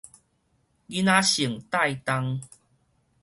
囡仔性帶重